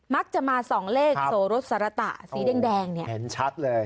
มักจะมาส่องเลขโสรสารตะสีแดงเนี่ยเห็นชัดเลย